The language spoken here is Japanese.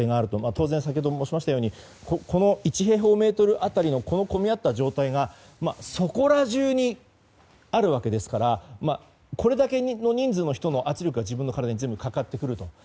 当然、先ほど申しましたようにこの１平方メートル当たりのこの混み合った状態がそこらじゅうにあるわけですからこれだけの人数の人の圧力が自分に全部かかってくると。